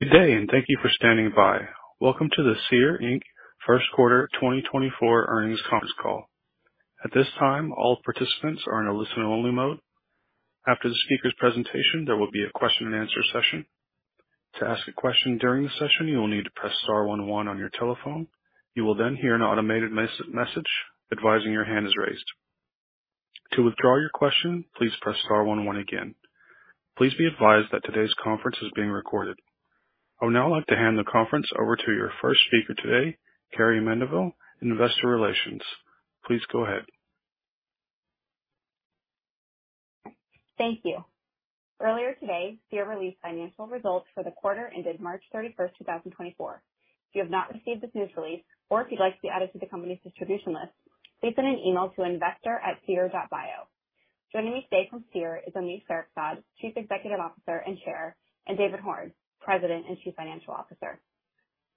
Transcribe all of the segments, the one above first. Good day, and thank you for standing by. Welcome to the Seer, Inc. Q1 2024 earnings conference call. At this time, all participants are in a listen-only mode. After the speaker's presentation, there will be a question and answer session. To ask a question during the session, you will need to press star one one on your telephone. You will then hear an automated message advising your hand is raised. To withdraw your question, please press star one one again. Please be advised that today's conference is being recorded. I would now like to hand the conference over to your first speaker today, Carrie Mendivil, Investor Relations. Please go ahead. Thank you. Earlier today, Seer released financial results for the quarter ended 31 March 2024. If you have not received this news release, or if you'd like to be added to the company's distribution list, please send an email to investor@seer.bio. Joining me today from Seer is Omid Farokhzad, Chief Executive Officer and Chair, and David Horn, President and Chief Financial Officer.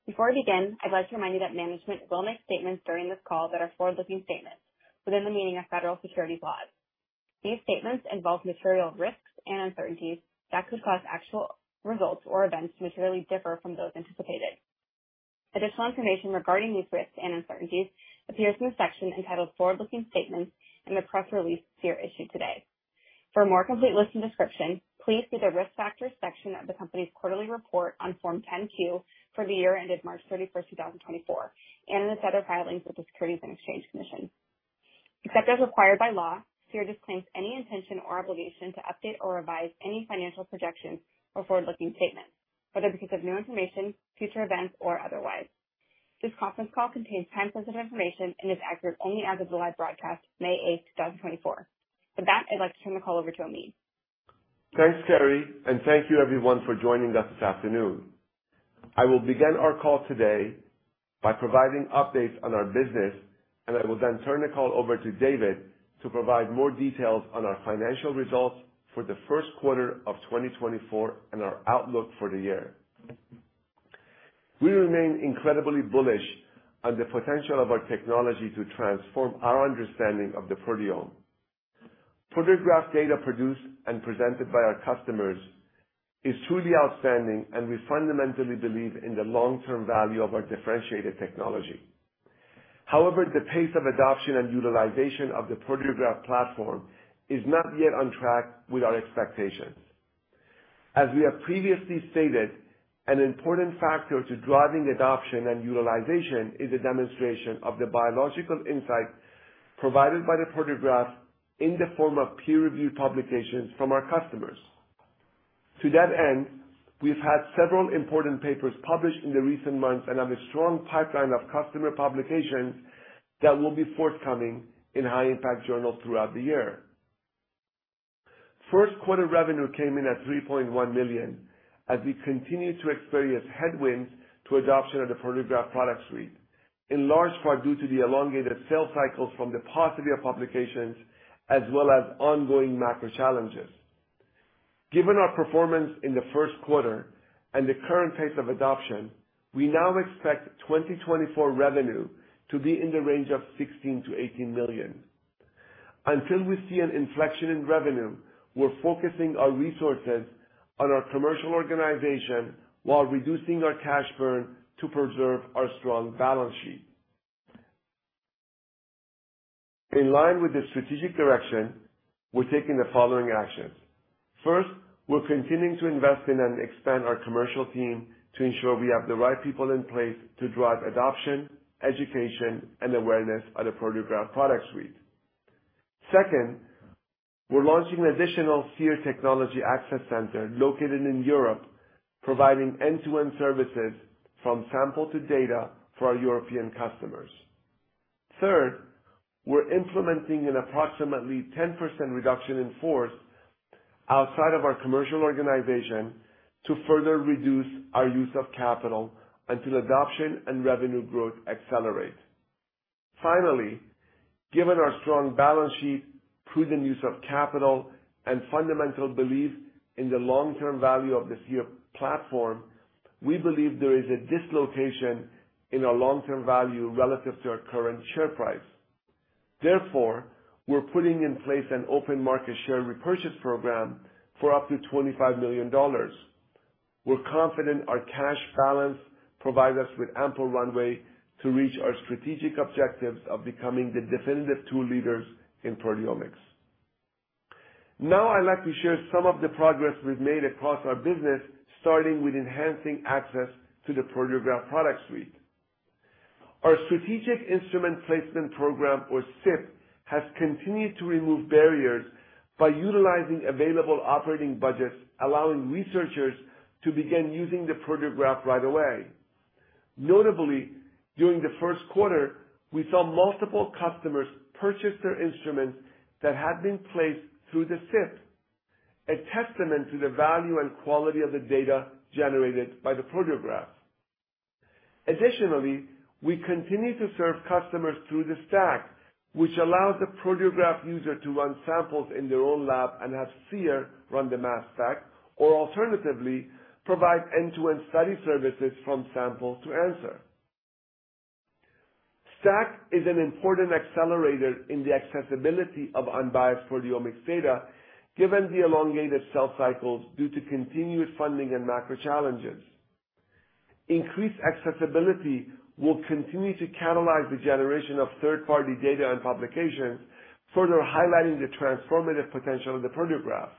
Before we begin, I'd like to remind you that management will make statements during this call that are forward-looking statements within the meaning of federal securities laws. These statements involve material risks and uncertainties that could cause actual results or events to materially differ from those anticipated. Additional information regarding these risks and uncertainties appears in the section entitled Forward-Looking Statements in the press release Seer issued today. For a more complete list and description, please see the Risk Factors section of the company's quarterly report on Form 10-Q for the year ended 31 March 2024, and in the set of filings with the Securities and Exchange Commission. Except as required by law, Seer disclaims any intention or obligation to update or revise any financial projections or forward-looking statements, whether because of new information, future events, or otherwise. This conference call contains time-sensitive information and is accurate only as of the live broadcast, 8 May 2024. With that, I'd like to turn the call over to Omid. Thanks, Carrie, and thank you everyone for joining us this afternoon. I will begin our call today by providing updates on our business, and I will then turn the call over to David to provide more details on our financial results for the Q1 of 2024 and our outlook for the year. We remain incredibly bullish on the potential of our technology to transform our understanding of the proteome. Proteograph data produced and presented by our customers is truly outstanding, and we fundamentally believe in the long-term value of our differentiated technology. However, the pace of adoption and utilization of the Proteograph platform is not yet on track with our expectations. As we have previously stated, an important factor to driving adoption and utilization is a demonstration of the biological insight provided by the Proteograph in the form of peer-reviewed publications from our customers. To that end, we've had several important papers published in the recent months and have a strong pipeline of customer publications that will be forthcoming in high-impact journals throughout the year. Q1 revenue came in at $3.1 million, as we continued to experience headwinds to adoption of the Proteograph Product Suite, in large part due to the elongated sales cycles from the possibility of publications as well as ongoing macro challenges. Given our performance in the Q1 and the current pace of adoption, we now expect 2024 revenue to be in the range of $16 million-$18 million. Until we see an inflection in revenue, we're focusing our resources on our commercial organization while reducing our cash burn to preserve our strong balance sheet. In line with the strategic direction, we're taking the following actions. First, we're continuing to invest in and expand our commercial team to ensure we have the right people in place to drive adoption, education, and awareness of the Proteograph Product Suite. Second, we're launching an additional Seer Technology Access Center located in Europe, providing end-to-end services from sample to data for our European customers. Third, we're implementing an approximately 10% reduction in force outside of our commercial organization to further reduce our use of capital until adoption and revenue growth accelerate. Finally, given our strong balance sheet, prudent use of capital, and fundamental belief in the long-term value of the Seer platform, we believe there is a dislocation in our long-term value relative to our current share price. Therefore, we're putting in place an open market share repurchase program for up to $25 million. We're confident our cash balance provides us with ample runway to reach our strategic objectives of becoming the definitive tool leaders in proteomics. Now, I'd like to share some of the progress we've made across our business, starting with enhancing access to the Proteograph Product Suite. Our Strategic Instrument Placement program, or SIP, has continued to remove barriers by utilizing available operating budgets, allowing researchers to begin using the Proteograph right away. Notably, during the Q1, we saw multiple customers purchase their instruments that had been placed through the SIP, a testament to the value and quality of the data generated by the Proteograph. Additionally, we continue to serve customers through the STAC, which allows the Proteograph user to run samples in their own lab and have Seer run the mass spec, or alternatively, provide end-to-end study services from sample to answer. STAC is an important accelerator in the accessibility of unbiased proteomics data, given the elongated cell cycles due to continued funding and macro challenges. Increased accessibility will continue to catalyze the generation of third-party data and publications, further highlighting the transformative potential of the Proteograph.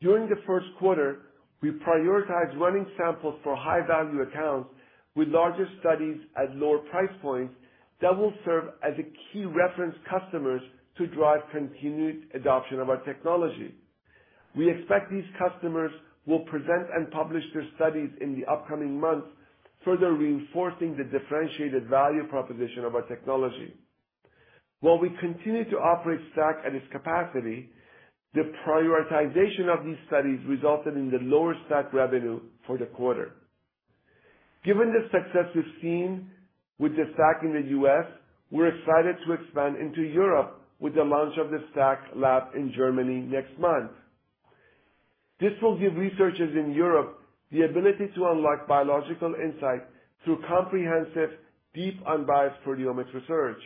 During the Q1, we prioritized running samples for high-value accounts with larger studies at lower price points that will serve as a key reference customers to drive continued adoption of our technology. We expect these customers will present and publish their studies in the upcoming months, further reinforcing the differentiated value proposition of our technology. While we continue to operate STAC at its capacity, the prioritization of these studies resulted in the lower STAC revenue for the quarter. Given the success we've seen with the STAC in the U.S., we're excited to expand into Europe with the launch of the STAC lab in Germany next month. This will give researchers in Europe the ability to unlock biological insight through comprehensive, deep, unbiased proteomic research.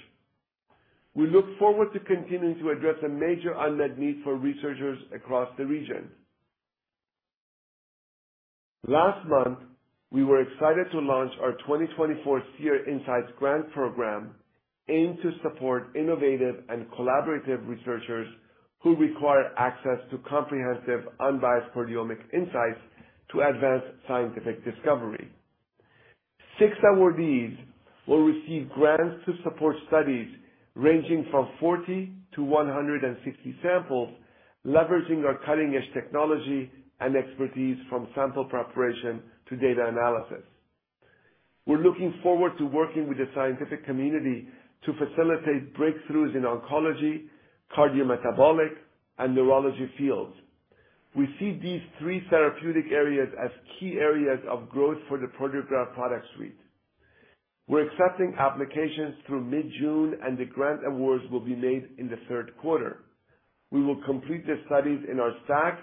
We look forward to continuing to address a major unmet need for researchers across the region. Last month, we were excited to launch our 2024 Seer Insights Grant program, aimed to support innovative and collaborative researchers who require access to comprehensive, unbiased proteomic insights to advance scientific discovery. Six awardees will receive grants to support studies ranging from 40-160 samples, leveraging our cutting-edge technology and expertise, from sample preparation to data analysis. We're looking forward to working with the scientific community to facilitate breakthroughs in oncology, cardiometabolic, and neurology fields. We see these three therapeutic areas as key areas of growth for the Proteograph Product Suite. We're accepting applications through mid-June, and the grant awards will be made in the Q3. We will complete the studies in our STAC,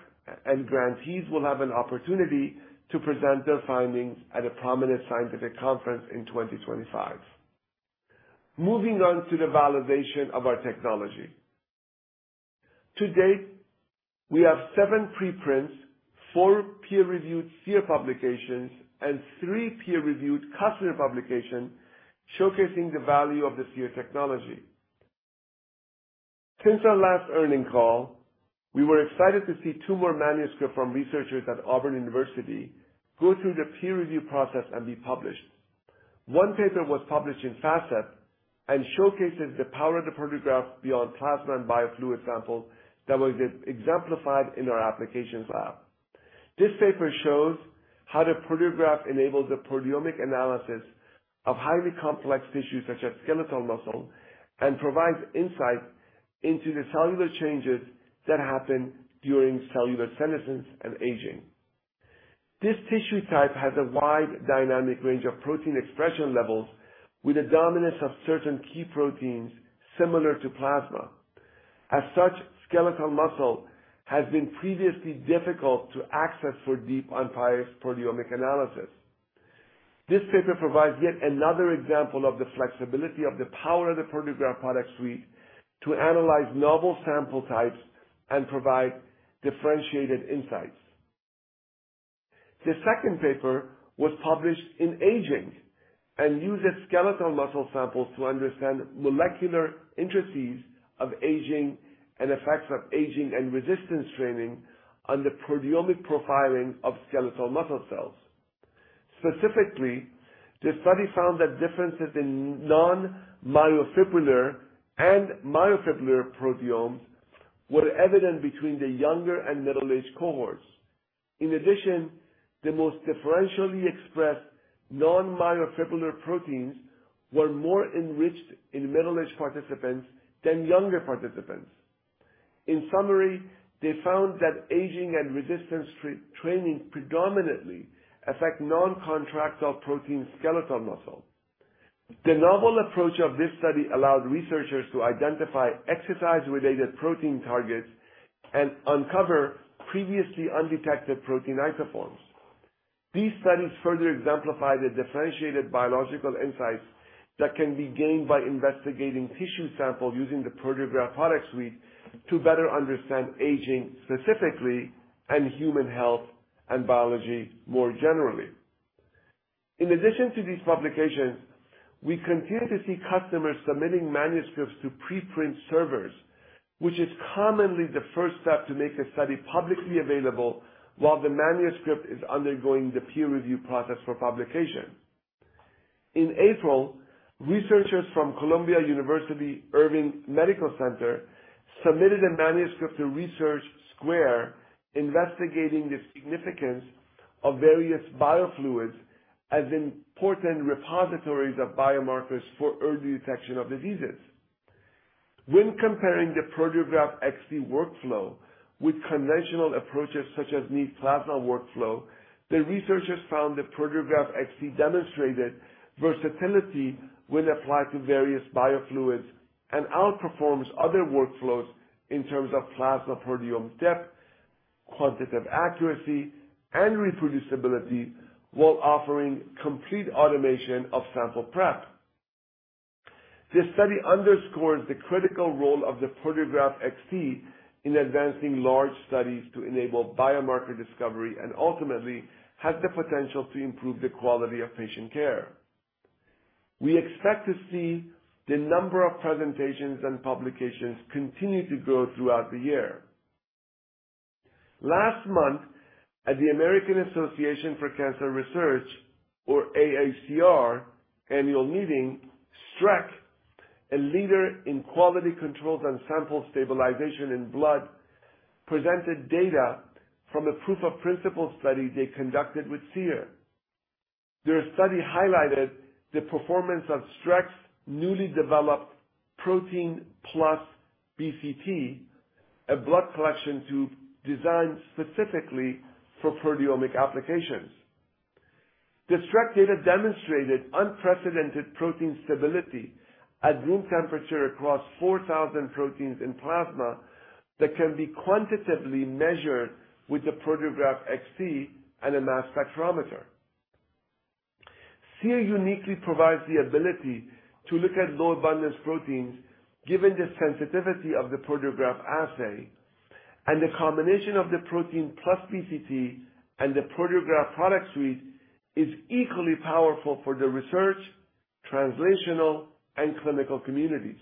and grantees will have an opportunity to present their findings at a prominent scientific conference in 2025. Moving on to the validation of our technology. To date, we have seven preprints, four peer-reviewed Seer publications, and three peer-reviewed customer publications showcasing the value of the Seer technology. Since our last earnings call, we were excited to see two more manuscripts from researchers at Auburn University go through the peer review process and be published. One paper was published in FASEB and showcases the power of the Proteograph beyond plasma and biofluid samples that was exemplified in our applications lab. This paper shows how the Proteograph enables the proteomic analysis of highly complex tissues, such as skeletal muscle, and provides insight into the cellular changes that happen during cellular senescence and aging. This tissue type has a wide dynamic range of protein expression levels, with a dominance of certain key proteins similar to plasma. As such, skeletal muscle has been previously difficult to access for deep, unbiased proteomic analysis. This paper provides yet another example of the flexibility of the power of the Proteograph Product Suite to analyze novel sample types and provide differentiated insights. The second paper was published in Aging and uses skeletal muscle samples to understand molecular intricacies of aging and effects of aging and resistance training on the proteomic profiling of skeletal muscle cells. Specifically, the study found that differences in non-myofibrillar and myofibrillar proteomes were evident between the younger and middle-aged cohorts. In addition, the most differentially expressed non-myofibrillar proteins were more enriched in middle-aged participants than younger participants. In summary, they found that aging and resistance training predominantly affect non-contractile protein skeletal muscle. The novel approach of this study allowed researchers to identify exercise-related protein targets and uncover previously undetected protein isoforms. These studies further exemplify the differentiated biological insights that can be gained by investigating tissue samples using the Proteograph Product Suite to better understand aging specifically, and human health and biology more generally. In addition to these publications, we continue to see customers submitting manuscripts to preprint servers, which is commonly the first step to make a study publicly available while the manuscript is undergoing the peer review process for publication. In April, researchers from Columbia University Irving Medical Center submitted a manuscript to Research Square investigating the significance of various biofluids as important repositories of biomarkers for early detection of diseases. When comparing the Proteograph XT workflow with conventional approaches, such as neat plasma workflow, the researchers found that Proteograph XT demonstrated versatility when applied to various biofluids and outperforms other workflows in terms of plasma proteome depth, quantitative accuracy and reproducibility, while offering complete automation of sample prep. This study underscores the critical role of the Proteograph XT in advancing large studies to enable biomarker discovery, and ultimately has the potential to improve the quality of patient care. We expect to see the number of presentations and publications continue to grow throughout the year. Last month, at the American Association for Cancer Research, or AACR, annual meeting, Streck, a leader in quality controls and sample stabilization in blood, presented data from a proof-of-principle study they conducted with Seer. Their study highlighted the performance of Streck's newly developed Protein Plus BCT, a blood collection tube designed specifically for proteomic applications. The Streck data demonstrated unprecedented protein stability at room temperature across 4,000 proteins in plasma, that can be quantitatively measured with the Proteograph XT and a mass spectrometer. Seer uniquely provides the ability to look at low abundance proteins, given the sensitivity of the Proteograph assay, and the combination of the Protein Plus BCT and the Proteograph Product Suite is equally powerful for the research, translational, and clinical communities.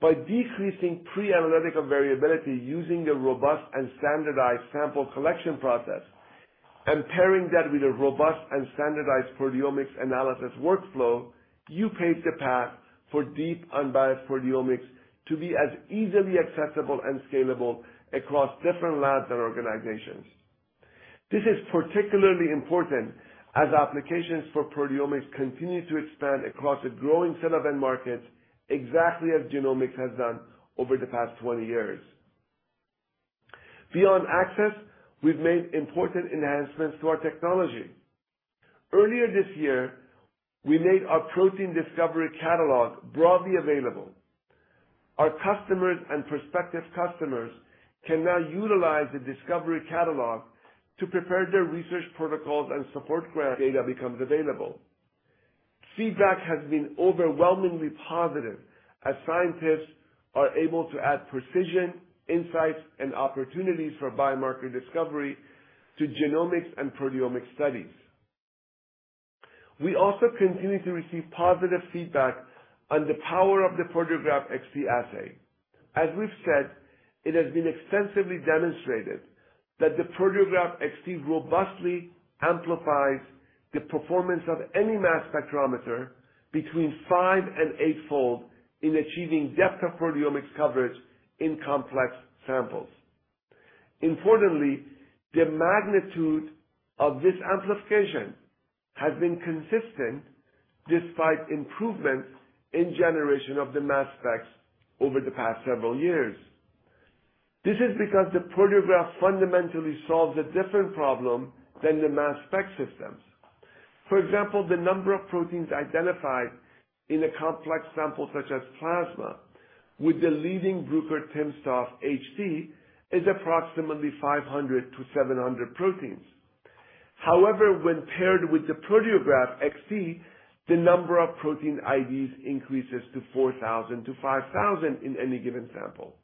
By decreasing pre-analytical variability using a robust and standardized sample collection process, and pairing that with a robust and standardized proteomics analysis workflow, you pave the path for deep, unbiased proteomics to be as easily accessible and scalable across different labs and organizations. This is particularly important as applications for proteomics continue to expand across a growing set of end markets, exactly as genomics has done over the past 20 years. Beyond access, we've made important enhancements to our technology. Earlier this year, we made our Protein Discovery Catalog broadly available. Our customers and prospective customers can now utilize the discovery catalog to prepare their research protocols and support grant data becomes available. Feedback has been overwhelmingly positive, as scientists are able to add precision, insights, and opportunities for biomarker discovery to genomics and proteomic studies. We also continue to receive positive feedback on the power of the Proteograph XT assay. As we've said, it has been extensively demonstrated that the Proteograph XT robustly amplifies the performance of any mass spectrometer between 5 and 8-fold, in achieving depth of proteomics coverage in complex samples. Importantly, the magnitude of this amplification has been consistent, despite improvements in generation of the mass specs over the past several years. This is because the Proteograph fundamentally solves a different problem than the mass spec systems. For example, the number of proteins identified in a complex sample, such as plasma, with the leading Bruker timsTOF HT, is approximately 500-700 proteins. However, when paired with the Proteograph XT, the number of protein IDs increases to 4,000-5,000 in any given sample.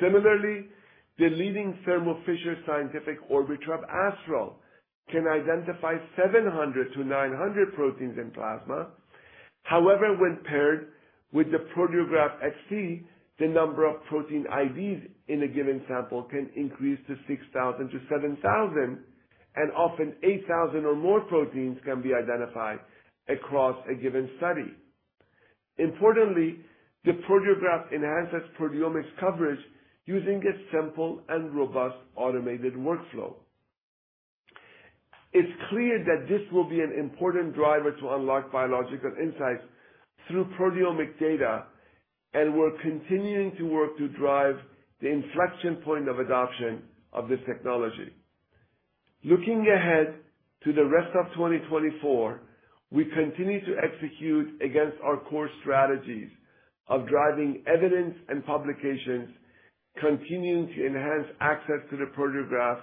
Similarly, the leading Thermo Fisher Scientific Orbitrap Astral can identify 700-900 proteins in plasma. However, when paired with the Proteograph XT, the number of protein IDs in a given sample can increase to 6,000-7,000, and often 8,000 or more proteins can be identified across a given study. Importantly, the Proteograph enhances proteomics coverage using a simple and robust automated workflow. It's clear that this will be an important driver to unlock biological insights through proteomic data, and we're continuing to work to drive the inflection point of adoption of this technology. Looking ahead to the rest of 2024, we continue to execute against our core strategies of driving evidence and publications, continuing to enhance access to the Proteograph,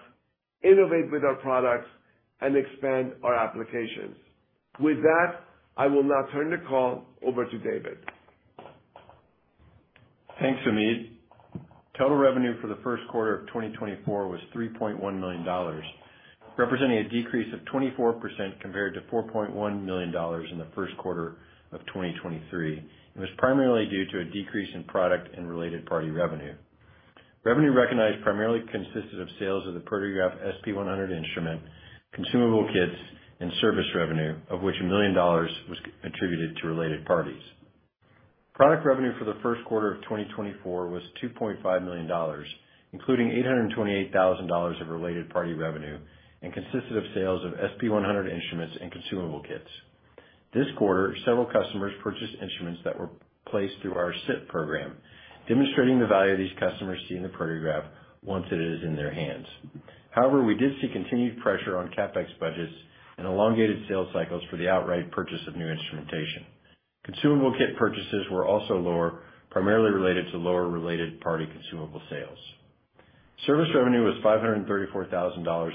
innovate with our products, and expand our applications. With that, I will now turn the call over to David. Thanks, Omid. Total revenue for the Q1 of 2024 was $3.1 million, representing a decrease of 24% compared to $4.1 million in the Q1 of 2023. It was primarily due to a decrease in product and related party revenue. Revenue recognized primarily consisted of sales of the Proteograph SP-100 instrument, consumable kits, and service revenue, of which $1 million was attributed to related parties. Product revenue for the Q1 of 2024 was $2.5 million, including $828,000 of related party revenue, and consisted of sales of SP-100 instruments and consumable kits. This quarter, several customers purchased instruments that were placed through our SIP program, demonstrating the value these customers see in the Proteograph once it is in their hands. However, we did see continued pressure on CapEx budgets and elongated sales cycles for the outright purchase of new instrumentation. Consumable kit purchases were also lower, primarily related to lower related party consumable sales. Service revenue was $534,000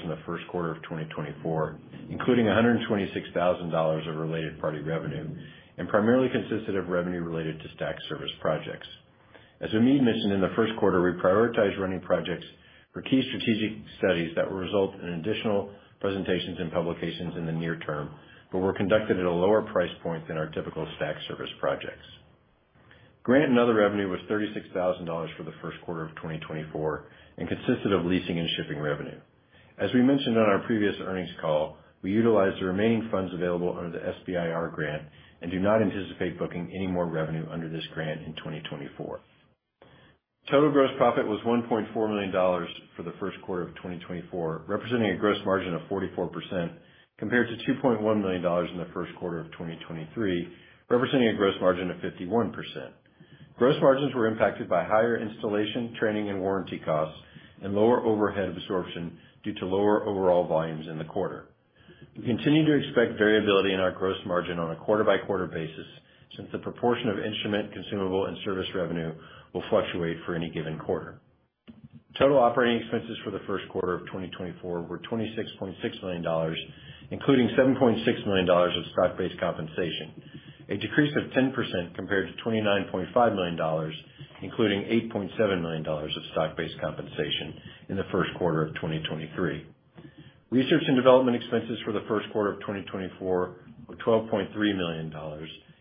in the Q1 of 2024, including $126,000 of related party revenue, and primarily consisted of revenue related to STAC service projects. As Omid mentioned, in the Q1, we prioritized running projects for key strategic studies that will result in additional presentations and publications in the near term, but were conducted at a lower price point than our typical STAC service projects. Grant and other revenue was $36,000 for the Q1 of 2024, and consisted of leasing and shipping revenue. As we mentioned on our previous earnings call, we utilized the remaining funds available under the SBIR grant and do not anticipate booking any more revenue under this grant in 2024. Total gross profit was $1.4 million for the Q1 of 2024, representing a gross margin of 44%, compared to $2.1 million in the Q1 of 2023, representing a gross margin of 51%. Gross margins were impacted by higher installation, training, and warranty costs and lower overhead absorption due to lower overall volumes in the quarter. We continue to expect variability in our gross margin on a quarter-by-quarter basis, since the proportion of instrument, consumable, and service revenue will fluctuate for any given quarter. Total operating expenses for the Q1 of 2024 were $26.6 million, including $7.6 million of stock-based compensation, a decrease of 10% compared to $29.5 million, including $8.7 million of stock-based compensation in the Q1 of 2023. Research and development expenses for the Q1 of 2024 were $12.3 million,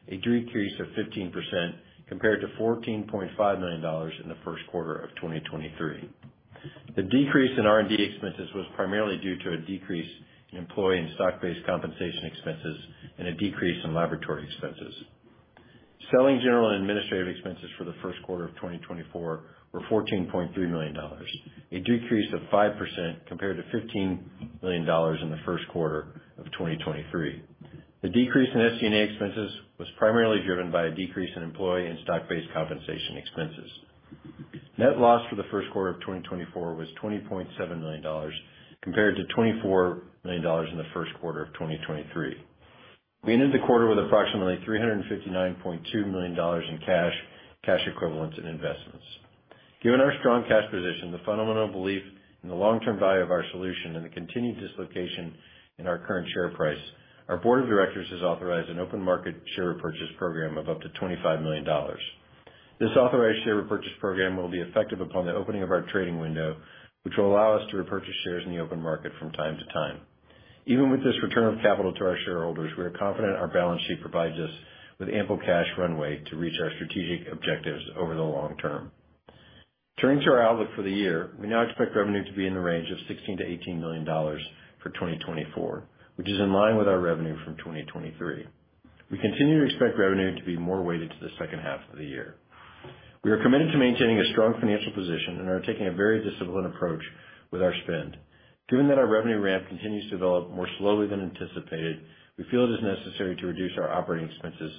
a decrease of 15% compared to $14.5 million in the Q1 of 2023. The decrease in R&D expenses was primarily due to a decrease in employee and stock-based compensation expenses and a decrease in laboratory expenses. Selling, general, and administrative expenses for the Q1 of 2024 were $14.3 million, a decrease of 5% compared to $15 million in the Q1 of 2023. The decrease in SG&A expenses was primarily driven by a decrease in employee and stock-based compensation expenses. Net loss for the Q1 of 2024 was $20.7 million, compared to $24 million in the Q1 of 2023. We ended the quarter with approximately $359.2 million in cash, cash equivalents, and investments. Given our strong cash position, the fundamental belief in the long-term value of our solution, and the continued dislocation in our current share price, our board of directors has authorized an open market share repurchase program of up to $25 million. This authorized share repurchase program will be effective upon the opening of our trading window, which will allow us to repurchase shares in the open market from time to time. Even with this return of capital to our shareholders, we are confident our balance sheet provides us with ample cash runway to reach our strategic objectives over the long term. Turning to our outlook for the year, we now expect revenue to be in the range of $16 million-$18 million for 2024, which is in line with our revenue from 2023. We continue to expect revenue to be more weighted to the H2 of the year. We are committed to maintaining a strong financial position and are taking a very disciplined approach with our spend. Given that our revenue ramp continues to develop more slowly than anticipated, we feel it is necessary to reduce our operating expenses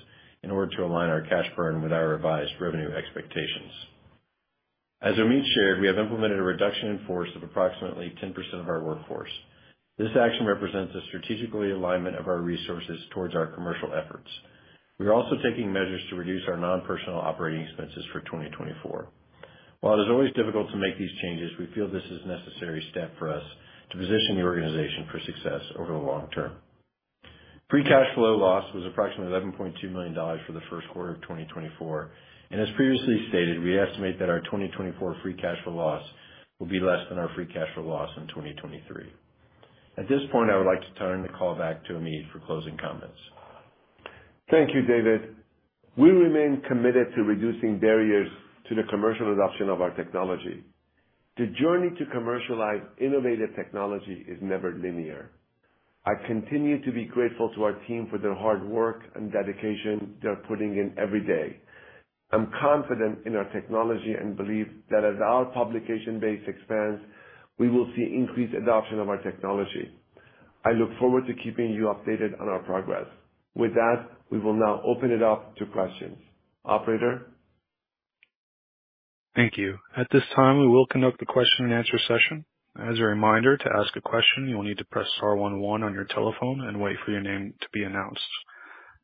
in order to align our cash burn with our revised revenue expectations. As Omid shared, we have implemented a reduction in force of approximately 10% of our workforce. This action represents a strategic alignment of our resources towards our commercial efforts. We are also taking measures to reduce our non-personnel operating expenses for 2024. While it is always difficult to make these changes, we feel this is a necessary step for us to position the organization for success over the long term. Free cash flow loss was approximately $11.2 million for the Q1 of 2024, and as previously stated, we estimate that our 2024 free cash flow loss will be less than our free cash flow loss in 2023. At this point, I would like to turn the call back to Omid for closing comments. Thank you, David. We remain committed to reducing barriers to the commercial adoption of our technology. The journey to commercialize innovative technology is never linear. I continue to be grateful to our team for their hard work and dedication they are putting in every day. I'm confident in our technology and believe that as our publication base expands, we will see increased adoption of our technology. I look forward to keeping you updated on our progress. With that, we will now open it up to questions. Operator? Thank you. At this time, we will conduct the question-and-answer session. As a reminder, to ask a question, you will need to press star one one on your telephone and wait for your name to be announced.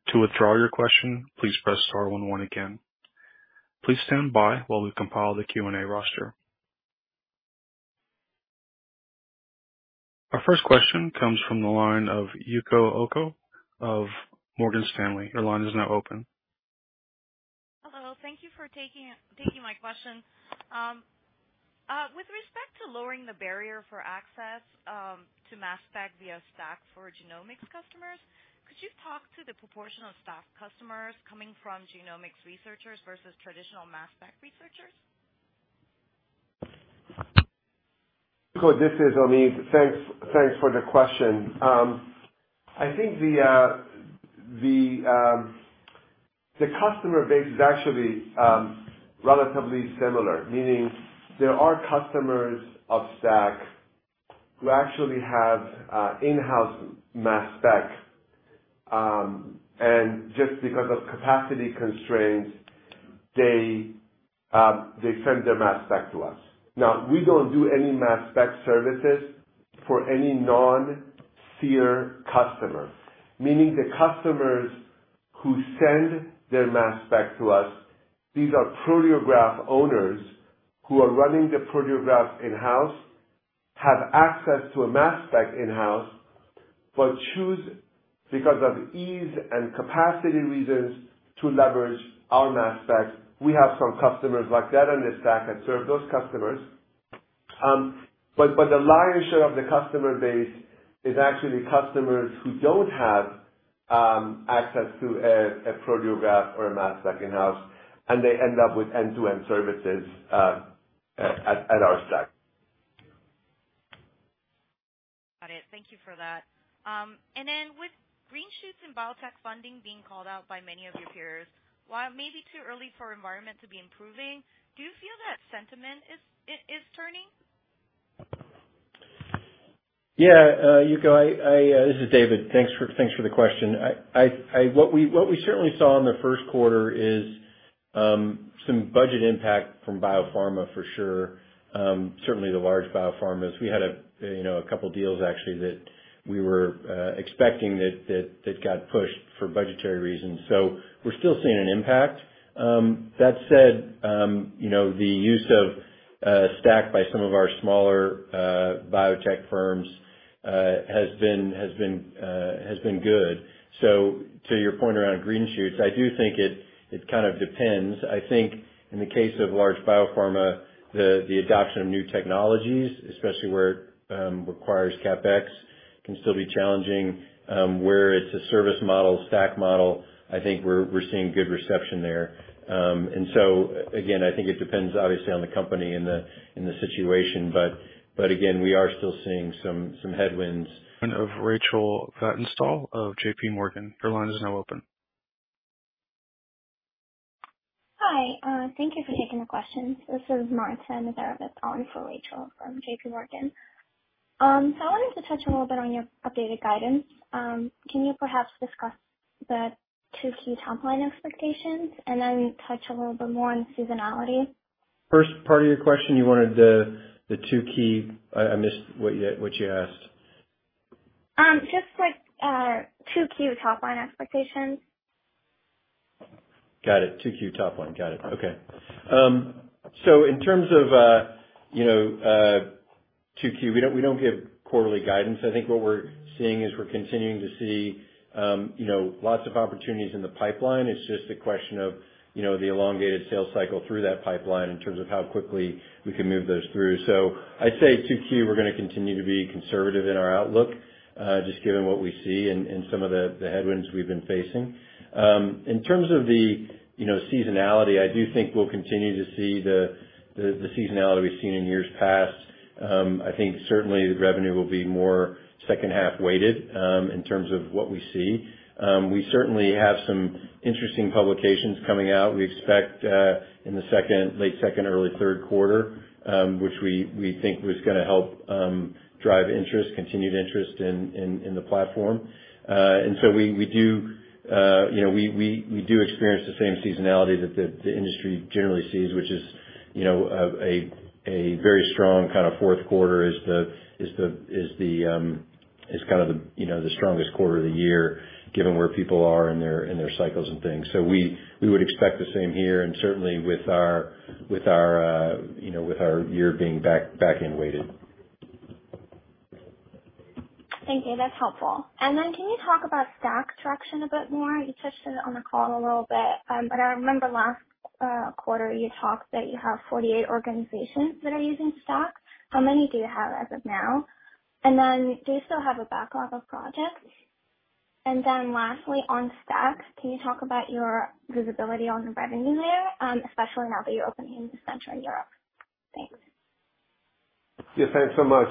To withdraw your question, please press star one one again. Please stand by while we compile the Q&A roster. Our first question comes from the line of Yuko Oku of Morgan Stanley. Your line is now open. Hello, thank you for taking my question. With respect to lowering the barrier for access to mass spec via STAC for genomics customers, could you talk to the proportion of STAC customers coming from genomics researchers versus traditional mass spec researchers? Yuko, this is Omid. Thanks, thanks for the question. I think the customer base is actually relatively similar, meaning there are customers of STAC who actually have in-house mass spec and just because of capacity constraints they send their mass spec to us. Now, we don't do any mass spec services for any non-Seer customer, meaning the customers who send their mass spec to us, these are Proteograph owners who are running the Proteograph in-house, have access to a mass spec in-house, but choose, because of ease and capacity reasons, to leverage our mass spec. We have some customers like that on the STAC that serve those customers. But the lion's share of the customer base is actually customers who don't have access to a Proteograph or a mass spec in-house, and they end up with end-to-end services at our STAC. Got it. Thank you for that. And then with green shoots and biotech funding being called out by many of your peers, while it may be too early for environment to be improving, do you feel that sentiment is turning? Yeah, Yuko, this is David. Thanks for the question. What we certainly saw in the Q1 is some budget impact from biopharma for sure. Certainly the large biopharmas. We had, you know, a couple deals, actually, that we were expecting that got pushed for budgetary reasons, so we're still seeing an impact. That said, you know, the use of STAC by some of our smaller biotech firms has been good. So to your point around green shoots, I do think it kind of depends. I think in the case of large biopharma, the adoption of new technologies, especially where it requires CapEx, can still be challenging. Where it's a service model, STAC model, I think we're seeing good reception there. And so again, I think it depends obviously on the company and the situation, but again, we are still seeing some headwinds. Of Rachel Vatnsdal of JP Morgan. Your line is now open. Hi, thank you for taking the questions. This is Marta Zaremba, that's on for Rachel Vatnsdal from JPMorgan. So I wanted to touch a little bit on your updated guidance. Can you perhaps discuss the two key top-line expectations, and then touch a little bit more on seasonality? First part of your question, you wanted the two key. I missed what you asked. Just like, Q2 top-line expectations. Got it. Q2 top line. Got it. Okay. So in terms of, you know, Q2, we don't give quarterly guidance. I think what we're seeing is we're continuing to see, you know, lots of opportunities in the pipeline. It's just a question of, you know, the elongated sales cycle through that pipeline in terms of how quickly we can move those through. So I'd say Q2, we're gonna continue to be conservative in our outlook, just given what we see and some of the headwinds we've been facing. In terms of the, you know, seasonality, I do think we'll continue to see the seasonality we've seen in years past. I think certainly the revenue will be more H2 weighted, in terms of what we see. We certainly have some interesting publications coming out. We expect in the late second, early Q3, which we think was gonna help drive continued interest in the platform. And so we do, you know, experience the same seasonality that the industry generally sees, which is, you know, a very strong kind of Q4 is the strongest quarter of the year, given where people are in their cycles and things. So we would expect the same here, and certainly with our year being back-end weighted. Thank you. That's helpful. And then can you talk about STAC traction a bit more? You touched on it on the call a little bit, but I remember last quarter, you talked that you have 48 organizations that are using STAC. How many do you have as of now? And then, do you still have a backlog of projects? And then lastly, on STAC, can you talk about your visibility on the revenue layer, especially now that you're opening a new center in Europe? Thanks. Yeah, thanks so much.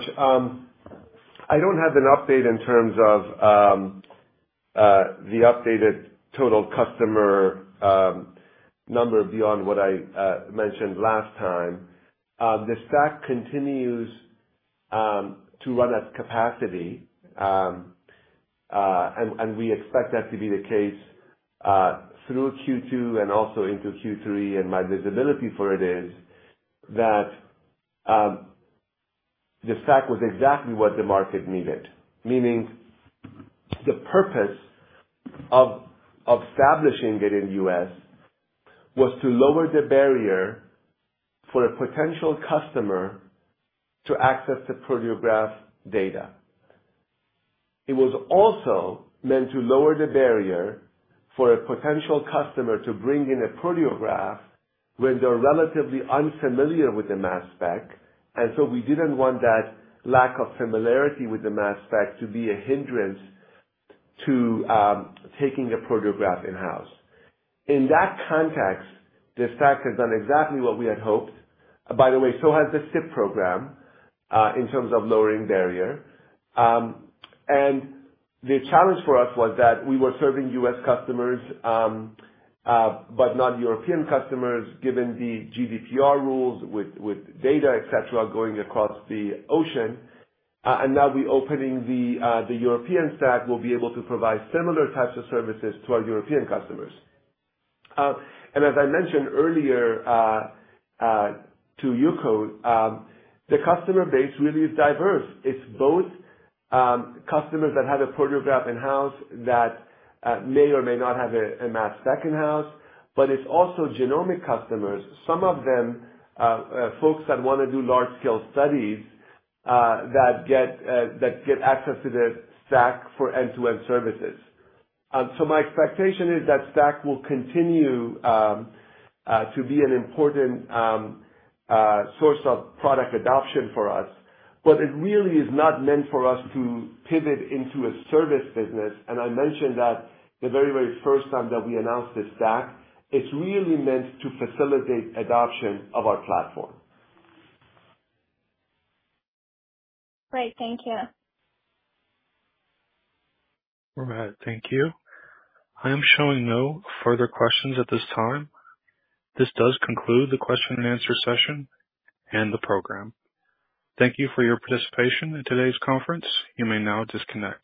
I don't have an update in terms of the updated total customer number beyond what I mentioned last time. The STAC continues to run at capacity, and we expect that to be the case through Q2 and also into Q3. And my visibility for it is that the STAC was exactly what the market needed, meaning the purpose of establishing it in US was to lower the barrier for a potential customer to access the Proteograph data. It was also meant to lower the barrier for a potential customer to bring in a Proteograph when they're relatively unfamiliar with the mass spec, and so we didn't want that lack of familiarity with the mass spec to be a hindrance to taking a Proteograph in-house. In that context, the STAC has done exactly what we had hoped. By the way, so has the SIP program in terms of lowering barrier. And the challenge for us was that we were serving US customers, but not European customers, given the GDPR rules with data, et cetera, going across the ocean. And now we're opening the European STAC will be able to provide similar types of services to our European customers. And as I mentioned earlier to Yuko, the customer base really is diverse. It's both customers that have a Proteograph in-house that may or may not have a mass spec in-house, but it's also genomic customers, some of them folks that want to do large scale studies that get access to the STAC for end-to-end services. So my expectation is that STAC will continue to be an important source of product adoption for us. But it really is not meant for us to pivot into a service business. And I mentioned that the very, very first time that we announced this STAC, it's really meant to facilitate adoption of our platform. Great, thank you. All right. Thank you. I am showing no further questions at this time. This does conclude the question and answer session and the program. Thank you for your participation in today's conference. You may now disconnect.